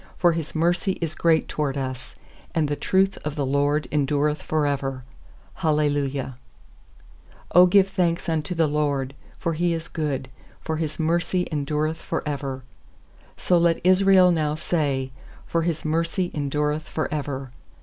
2 For His mercy is great toward us; And the truth of the LORD en dureth for ever. Hallelujah. 1 1 ft '0 give thanks unto the LORD. 1X0 for He is good, For His mercy endureth for ever/ 2So let Israel now say, For His mercy endureth for ever.